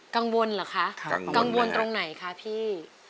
กังวลเหรอคะกังวลตรงไหนคะพี่